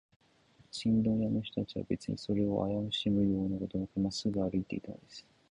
チンドン屋の人たちは、べつにそれをあやしむようすもなく、まっすぐに歩いていくのです。